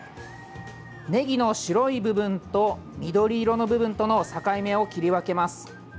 ねぎの白い部分と緑色の部分との境目を切り分けます。